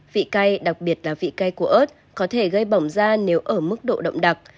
vị cay đặc biệt là vị cay của ớt có thể gây bỏng da nếu ở mức độ động đặc